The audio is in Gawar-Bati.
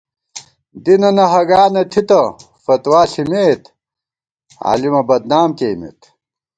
دینَنہ ہَگا نہ تِھتہ، فتویٰ ݪِمېت، عالِمہ بدنام کېئیمېت